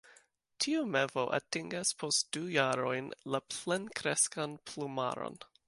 Tiu mevo atingas post du jarojn la plenkreskan plumaron.